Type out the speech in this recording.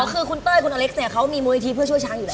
คือคุณเต้ยคุณอเล็กซ์เขามีมูลนิธิเพื่อช่วยช้างอยู่แล้ว